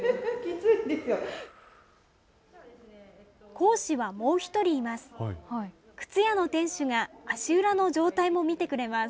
講師は、もう１人います。